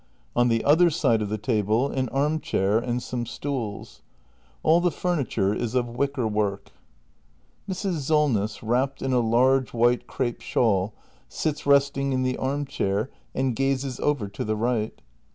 On the other side of the table, an arm chair and some stools. All the furniture is of wicker work. Mrs. Solness, wrapped in a large white crape shawl, sits resting in the arm chair and gazes over to the right.